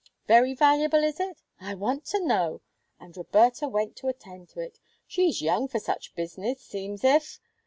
Very valuable, is it? I want to know! And Roberta went to attend to it! She's young for such business, seems's if!